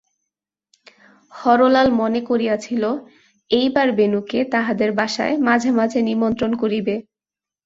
হরলাল মনে করিয়াছিল, এইবার বেণুকে তাহাদের বাসায় মাঝে মাঝে নিমন্ত্রণ করিবে।